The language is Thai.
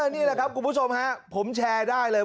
นี่แหละครับคุณผู้ชมฮะผมแชร์ได้เลย